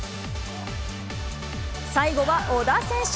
最後は小田選手。